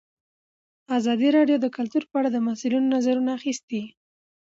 ازادي راډیو د کلتور په اړه د مسؤلینو نظرونه اخیستي.